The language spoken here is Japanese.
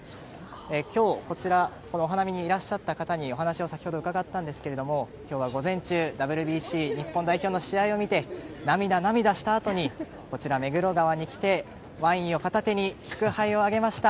今日、こちらこのお花見にいらっしゃった方に先ほどお話を伺ったんですが今日は、午前中ＷＢＣ日本代表の試合を見て涙涙したあとにこちら目黒川に来てワインを片手に祝杯をあげました